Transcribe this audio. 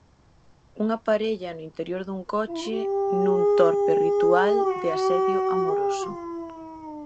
Unha parella no interior dun coche nun torpe ritual de asedio amoroso.